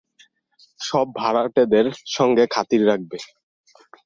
সব ভাড়াটেদের সঙ্গে খাতির রাখবে।